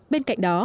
bên cạnh đó